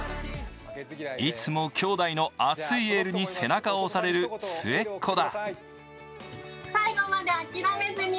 いつも兄弟の熱いエールに背中を押される末っ子だ。